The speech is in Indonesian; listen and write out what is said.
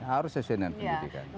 harus sesuai dengan pendidikan